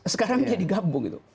sekarang dia digabung